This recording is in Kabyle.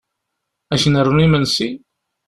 Ad k-nernu imesnsi?